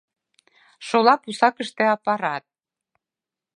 Шола пусакыште аппарат.